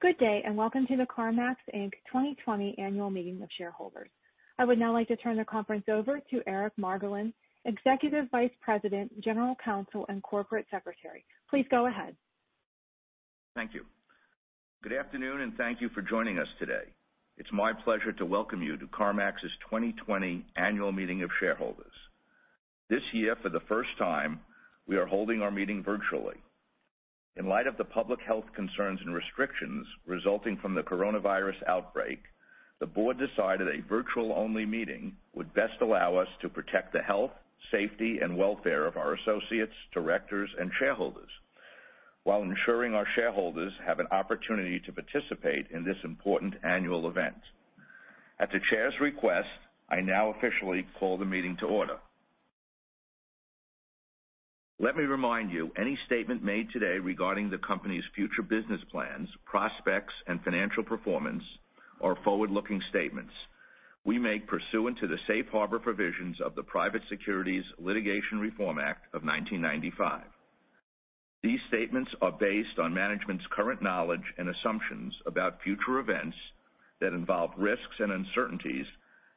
Good day, and welcome to the CarMax Inc. 2020 Annual Meeting of Shareholders. I would now like to turn the conference over to Eric Margolin, Executive Vice President, General Counsel, and Corporate Secretary. Please go ahead. Thank you. Good afternoon, thank you for joining us today. It's my pleasure to welcome you to CarMax's 2020 Annual Meeting of Shareholders. This year, for the first time, we are holding our meeting virtually. In light of the public health concerns and restrictions resulting from the coronavirus outbreak, the board decided a virtual-only meeting would best allow us to protect the health, safety, and welfare of our associates, directors, and shareholders while ensuring our shareholders have an opportunity to participate in this important annual event. At the chair's request, I now officially call the meeting to order. Let me remind you, any statement made today regarding the company's future business plans, prospects, and financial performance are forward-looking statements we make pursuant to the safe harbor provisions of the Private Securities Litigation Reform Act of 1995. These statements are based on management's current knowledge and assumptions about future events that involve risks and uncertainties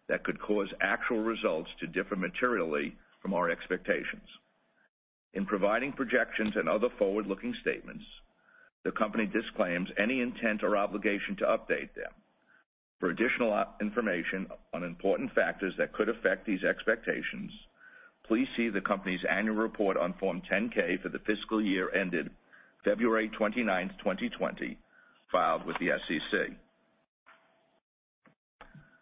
that could cause actual results to differ materially from our expectations. In providing projections and other forward-looking statements, the company disclaims any intent or obligation to update them. For additional information on important factors that could affect these expectations, please see the company's annual report on Form 10-K for the fiscal year ended February 29th, 2020, filed with the SEC.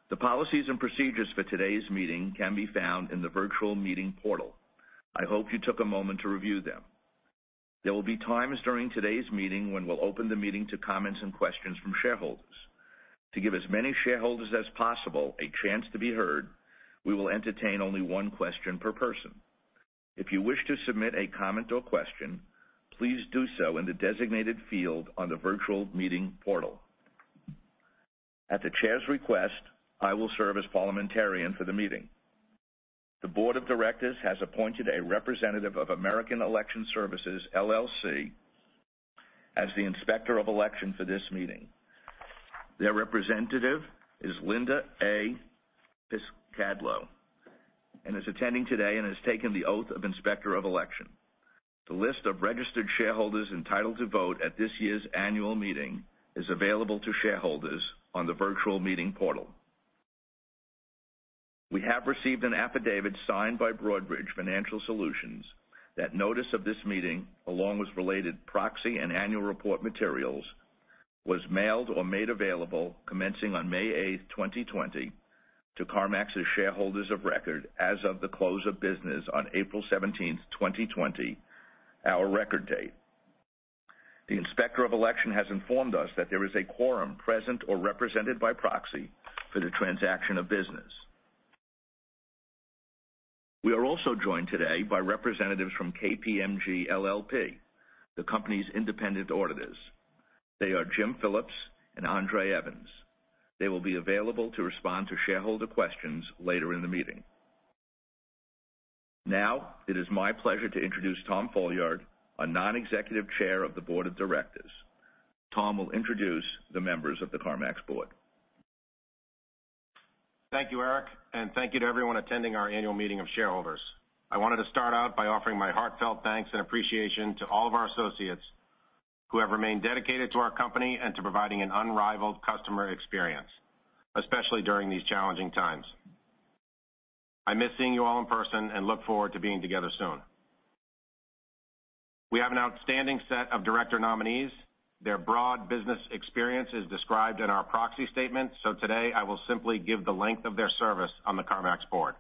The policies and procedures for today's meeting can be found in the virtual meeting portal. I hope you took a moment to review them. There will be times during today's meeting when we'll open the meeting to comments and questions from shareholders. To give as many shareholders as possible a chance to be heard, we will entertain only one question per person. If you wish to submit a comment or question, please do so in the designated field on the virtual meeting portal. At the chair's request, I will serve as parliamentarian for the meeting. The board of directors has appointed a representative of American Election Services, LLC, as the Inspector of Election for this meeting. Their representative is Linda A. Piscadlo and is attending today and has taken the oath of Inspector of Election. The list of registered shareholders entitled to vote at this year's annual meeting is available to shareholders on the virtual meeting portal. We have received an affidavit signed by Broadridge Financial Solutions that notice of this meeting, along with related proxy and annual report materials, was mailed or made available commencing on May 8th, 2020 to CarMax's shareholders of record as of the close of business on April 17th, 2020, our record date. The Inspector of Election has informed us that there is a quorum present or represented by proxy for the transaction of business. We are also joined today by representatives from KPMG LLP, the company's independent auditors. They are Jim Phillips and Andre Evans. They will be available to respond to shareholder questions later in the meeting. Now, it is my pleasure to introduce Tom Folliard, a non-executive chair of the board of directors. Tom will introduce the members of the CarMax board. Thank you, Eric, and thank you to everyone attending our annual meeting of shareholders. I wanted to start out by offering my heartfelt thanks and appreciation to all of our associates who have remained dedicated to our company and to providing an unrivaled customer experience, especially during these challenging times. I miss seeing you all in person and look forward to being together soon. We have an outstanding set of director nominees. Their broad business experience is described in our proxy statement. Today I will simply give the length of their service on the CarMax board.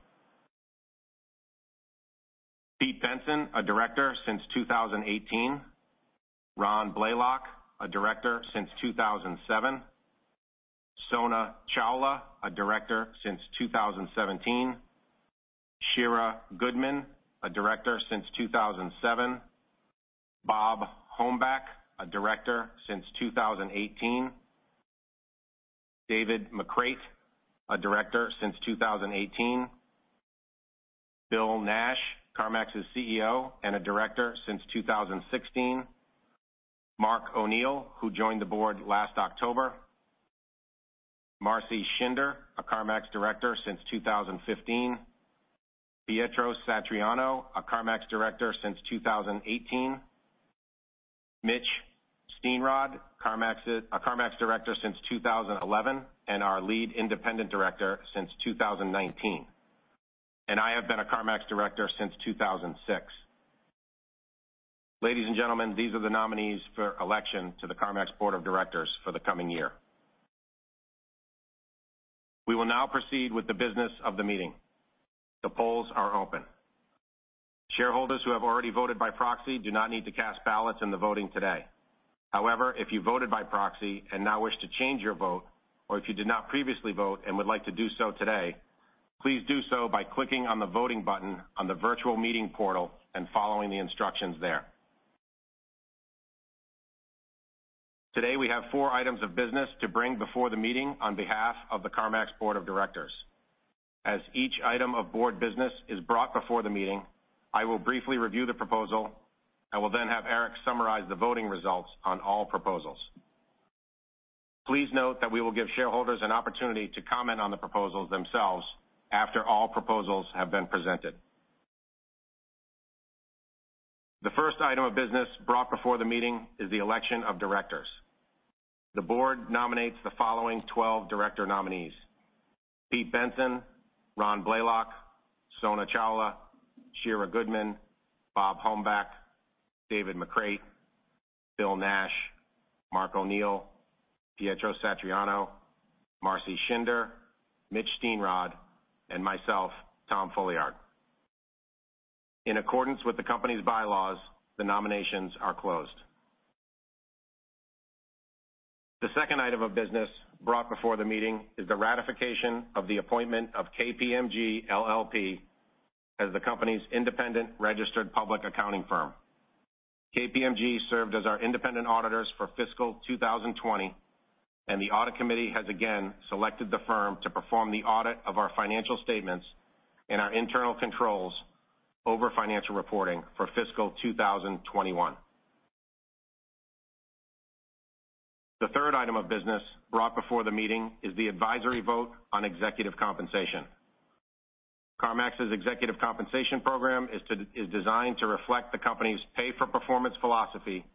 Pete Bensen, a director since 2018. Ron Blaylock, a director since 2007. Sona Chawla, a director since 2017. Shira Goodman, a director since 2007. Bob Hombach, a director since 2018. David McCreight, a director since 2018. Bill Nash, CarMax's CEO, and a director since 2016. Mark O'Neil, who joined the board last October. Marcy Shinder, a CarMax director since 2015. Pietro Satriano, a CarMax director since 2018. Mitch Steenrod, a CarMax director since 2011, and our Lead Independent Director since 2019. I have been a CarMax director since 2006. Ladies and gentlemen, these are the nominees for election to the CarMax board of directors for the coming year. We will now proceed with the business of the meeting. The polls are open. Shareholders who have already voted by proxy do not need to cast ballots in the voting today. However, if you voted by proxy and now wish to change your vote, or if you did not previously vote and would like to do so today, please do so by clicking on the Voting button on the virtual meeting portal and following the instructions there. Today, we have four items of business to bring before the meeting on behalf of the CarMax board of directors. As each item of board business is brought before the meeting, I will briefly review the proposal. I will then have Eric summarize the voting results on all proposals. Please note that we will give shareholders an opportunity to comment on the proposals themselves after all proposals have been presented. The first item of business brought before the meeting is the election of directors. The board nominates the following 12 director nominees: Pete Bensen, Ron Blaylock, Sona Chawla, Shira Goodman, Bob Hombach, David McCreight, Bill Nash, Mark O'Neil, Pietro Satriano, Marcy Shinder, Mitch Steenrod, and myself, Tom Folliard. In accordance with the company's bylaws, the nominations are closed. The second item of business brought before the meeting is the ratification of the appointment of KPMG LLP as the company's independent registered public accounting firm. KPMG served as our independent auditors for fiscal 2020, and the audit committee has again selected the firm to perform the audit of our financial statements and our internal controls over financial reporting for fiscal 2021. The third item of business brought before the meeting is the advisory vote on executive compensation. CarMax's executive compensation program is designed to reflect the company's pay-for-performance philosophy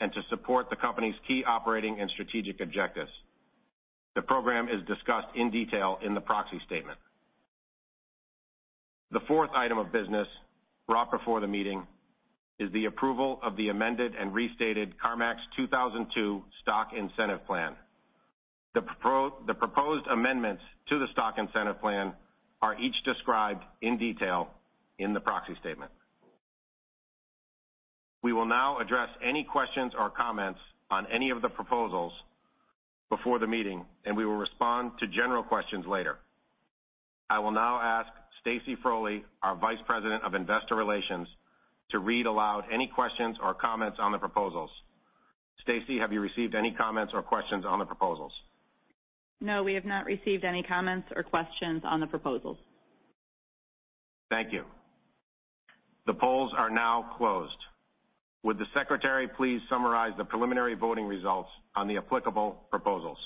and to support the company's key operating and strategic objectives. The program is discussed in detail in the proxy statement. The fourth item of business brought before the meeting is the approval of the amended and restated CarMax 2002 Stock Incentive Plan. The proposed amendments to the stock incentive plan are each described in detail in the proxy statement. We will now address any questions or comments on any of the proposals before the meeting, and we will respond to general questions later. I will now ask Stacy Frole, our Vice President of Investor Relations, to read aloud any questions or comments on the proposals. Stacy, have you received any comments or questions on the proposals? No, we have not received any comments or questions on the proposals. Thank you. The polls are now closed. Would the secretary please summarize the preliminary voting results on the applicable proposals?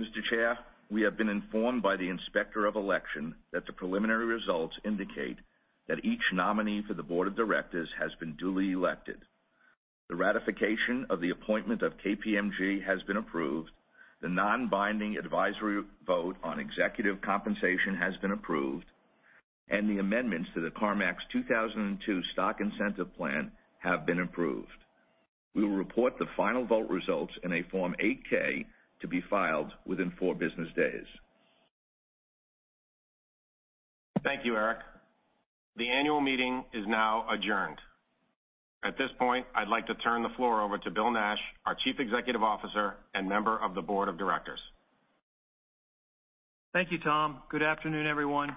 Mr. Chair, we have been informed by the Inspector of Election that the preliminary results indicate that each nominee for the board of directors has been duly elected. The ratification of the appointment of KPMG has been approved. The non-binding advisory vote on executive compensation has been approved, and the amendments to the CarMax 2002 Stock Incentive Plan have been approved. We will report the final vote results in a Form 8-K to be filed within four business days. Thank you, Eric. The annual meeting is now adjourned. At this point, I'd like to turn the floor over to Bill Nash, our Chief Executive Officer and member of the board of directors. Thank you, Tom. Good afternoon, everyone.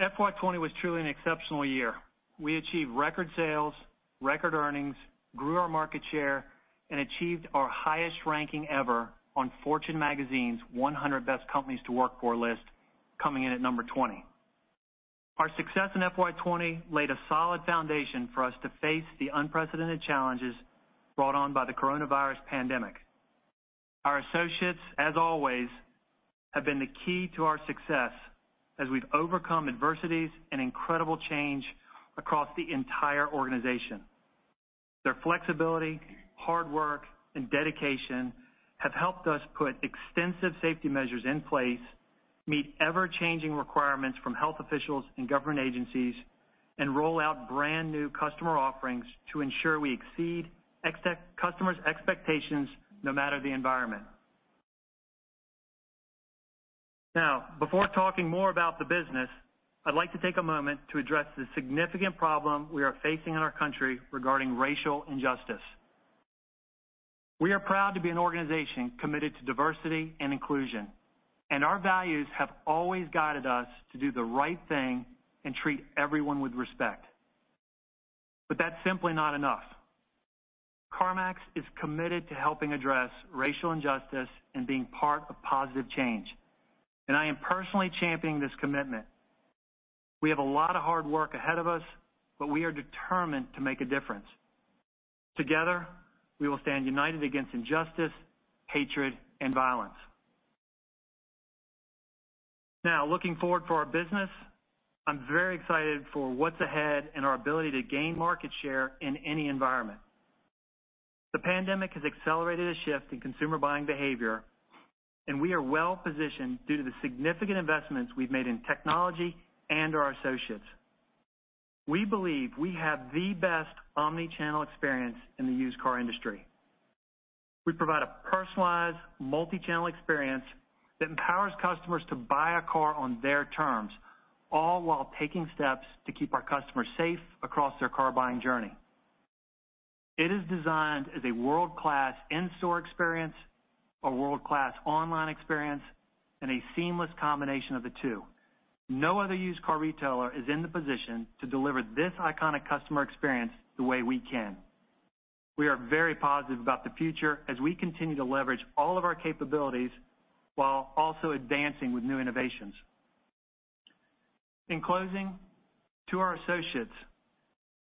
FY2020 was truly an exceptional year. We achieved record sales, record earnings, grew our market share, and achieved our highest ranking ever on Fortune magazine's 100 Best Companies to Work For list, coming in at number 20. Our success in FY2020 laid a solid foundation for us to face the unprecedented challenges brought on by the coronavirus pandemic. Our associates, as always, have been the key to our success as we've overcome adversities and incredible change across the entire organization. Their flexibility, hard work, and dedication have helped us put extensive safety measures in place, meet ever-changing requirements from health officials and government agencies, and roll out brand-new customer offerings to ensure we exceed customers' expectations, no matter the environment. Before talking more about the business, I'd like to take a moment to address the significant problem we are facing in our country regarding racial injustice. We are proud to be an organization committed to diversity and inclusion, and our values have always guided us to do the right thing and treat everyone with respect. That's simply not enough. CarMax is committed to helping address racial injustice and being part of positive change, and I am personally championing this commitment. We have a lot of hard work ahead of us, but we are determined to make a difference. Together, we will stand united against injustice, hatred, and violence. Looking forward for our business, I'm very excited for what's ahead and our ability to gain market share in any environment. The pandemic has accelerated a shift in consumer buying behavior, and we are well-positioned due to the significant investments we've made in technology and our associates. We believe we have the best omnichannel experience in the used car industry. We provide a personalized, multi-channel experience that empowers customers to buy a car on their terms, all while taking steps to keep our customers safe across their car-buying journey. It is designed as a world-class in-store experience, a world-class online experience, and a seamless combination of the two. No other used car retailer is in the position to deliver this iconic customer experience the way we can. We are very positive about the future as we continue to leverage all of our capabilities while also advancing with new innovations. In closing, to our associates,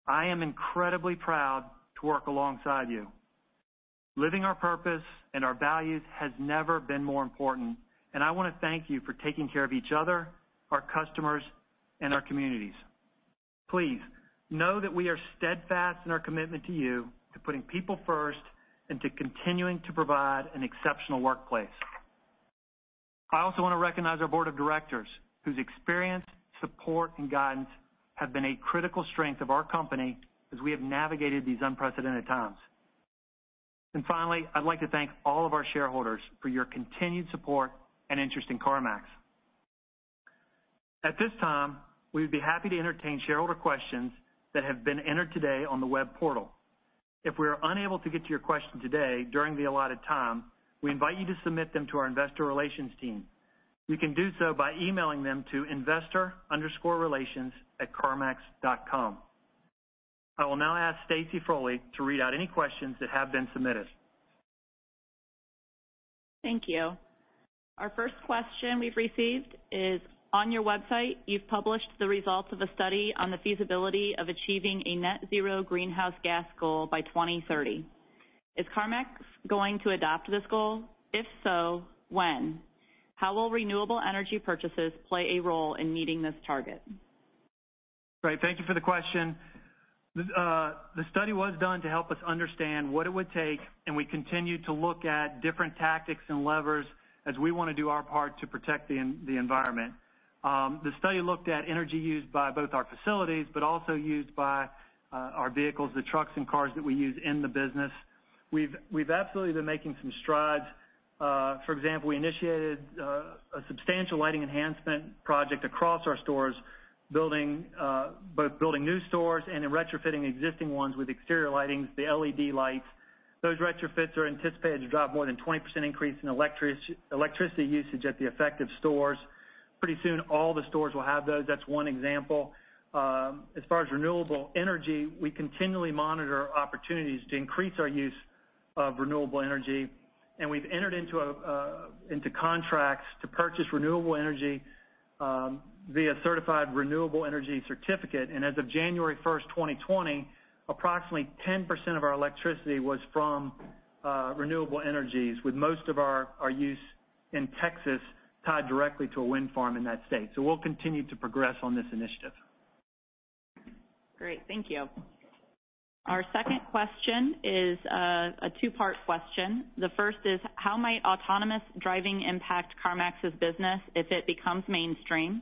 I am incredibly proud to work alongside you. Living our purpose and our values has never been more important, and I want to thank you for taking care of each other, our customers, and our communities. Please know that we are steadfast in our commitment to you, to putting people first, and to continuing to provide an exceptional workplace. I also want to recognize our board of directors, whose experience, support, and guidance have been a critical strength of our company as we have navigated these unprecedented times. Finally, I'd like to thank all of our shareholders for your continued support and interest in CarMax. At this time, we would be happy to entertain shareholder questions that have been entered today on the web portal. If we are unable to get to your question today during the allotted time, we invite you to submit them to our investor relations team. You can do so by emailing them to investor_relations@carmax.com. I will now ask Stacy Frole to read out any questions that have been submitted. Thank you. Our first question we've received is, "On your website, you've published the results of a study on the feasibility of achieving a net zero greenhouse gas goal by 2030. Is CarMax going to adopt this goal? If so, when? How will renewable energy purchases play a role in meeting this target? Great. Thank you for the question. The study was done to help us understand what it would take, and we continue to look at different tactics and levers as we want to do our part to protect the environment. The study looked at energy used by both our facilities, but also used by our vehicles, the trucks and cars that we use in the business. We've absolutely been making some strides. For example, we initiated a substantial lighting enhancement project across our stores, both building new stores and in retrofitting existing ones with exterior lightings, the LED lights. Those retrofits are anticipated to drop more than 20% increase in electricity usage at the effective stores. Pretty soon all the stores will have those. That's one example. As far as renewable energy, we continually monitor opportunities to increase our use of renewable energy, and we've entered into contracts to purchase renewable energy via certified renewable energy certificate. As of January 1st, 2020, approximately 10% of our electricity was from renewable energies, with most of our use in Texas tied directly to a wind farm in that state. We'll continue to progress on this initiative. Great. Thank you. Our second question is a two-part question. The first is, "How might autonomous driving impact CarMax's business if it becomes mainstream?"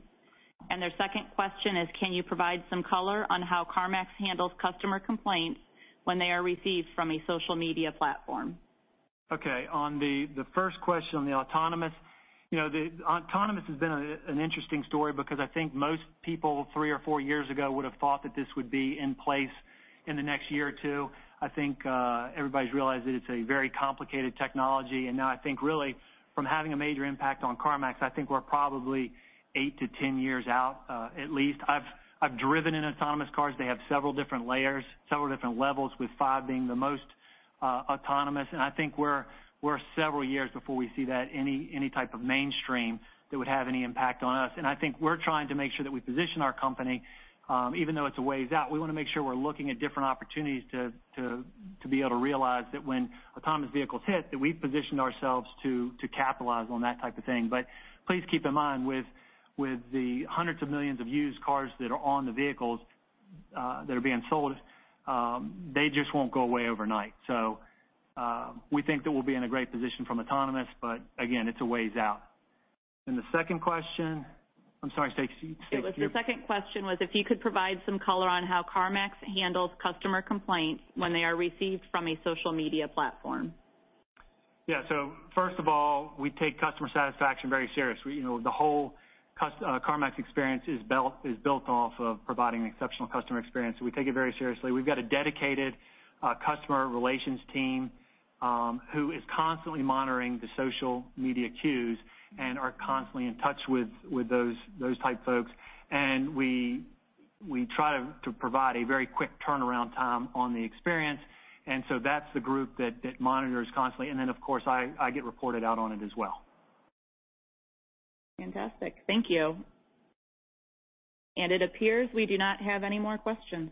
Their second question is, "Can you provide some color on how CarMax handles customer complaints when they are received from a social media platform?" Okay. On the first question on the autonomous. The autonomous has been an interesting story because I think most people three or four years ago would've thought that this would be in place in the next year or two. I think everybody's realized that it's a very complicated technology. Now I think really from having a major impact on CarMax, I think we're probably 8 to 10 years out, at least. I've driven in autonomous cars. They have several different layers, several different levels, with five being the most autonomous. I think we're several years before we see any type of mainstream that would have any impact on us. I think we're trying to make sure that we position our company, even though it's a ways out, we want to make sure we're looking at different opportunities to be able to realize that when autonomous vehicles hit, that we've positioned ourselves to capitalize on that type of thing. Please keep in mind, with the hundreds of millions of used cars that are on the vehicles that are being sold, they just won't go away overnight. We think that we'll be in a great position from autonomous, but again, it's a ways out. The second question I'm sorry, Stacy. It was the second question was if you could provide some color on how CarMax handles customer complaints when they are received from a social media platform. First of all, we take customer satisfaction very serious. The whole CarMax experience is built off of providing an exceptional customer experience, so we take it very seriously. We've got a dedicated customer relations team who is constantly monitoring the social media cues and are constantly in touch with those type folks. We try to provide a very quick turnaround time on the experience, and so that's the group that monitors constantly. Of course, I get reported out on it as well. Fantastic. Thank you. It appears we do not have any more questions.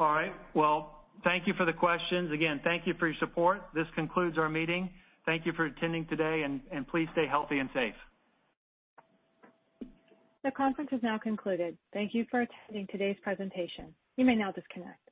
All right. Well, thank you for the questions. Again, thank you for your support. This concludes our meeting. Thank you for attending today, and please stay healthy and safe. This conference has now concluded. Thank you for attending today's presentation. You may now disconnect.